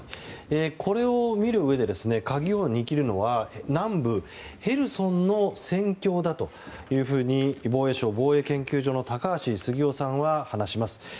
これを見るうえで鍵を握るのは南部ヘルソンの戦況だというふうに防衛省防衛研究所の高橋杉雄さんは話します。